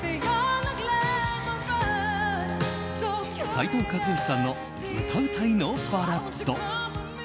斉藤和義さんの「歌うたいのバラッド」。